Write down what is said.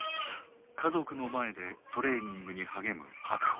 家族の前でトレーニングに励む白鵬。